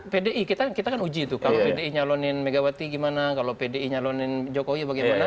pdi kita kan uji tuh kalau pdi nyalonin megawati gimana kalau pdi nyalonin jokowi bagaimana